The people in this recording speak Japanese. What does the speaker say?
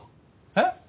えっ？